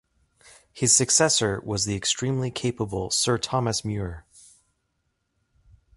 His successor was the extremely capable Sir Thomas Muir.